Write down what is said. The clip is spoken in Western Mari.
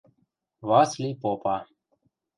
– Васли попа.